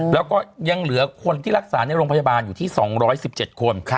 แล้วก็ยังเหลือคนที่รักษาในโรงพยาบาลอยู่ที่๒๑๗คน